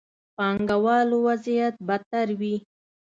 پانګه والو وضعيت بدتر وي.